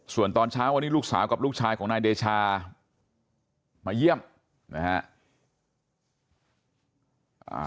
ส่วนตอนเช้าวันนี้ลูกสาวกับลูกชายของนายเดชามาเยี่ยมนะฮะ